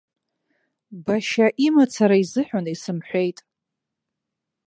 Башьа имацара изыҳәан исымҳәеит.